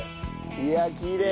いやきれい。